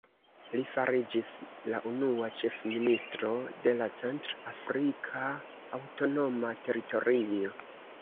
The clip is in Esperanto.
Li fariĝis la unua ĉefministro de la centr-afrika aŭtonoma teritorio.